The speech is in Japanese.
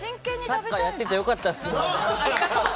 サッカーやってて良かったです。